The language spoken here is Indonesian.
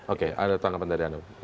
oke ada tanggapan dari anda